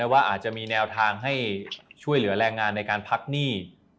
ว่าอาจจะมีแนวทางให้ช่วยเหลือแรงงานในการพักหนี้